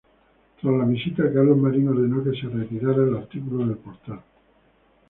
Tras la visita Carlos Marín ordenó que se retirara el artículo del portal.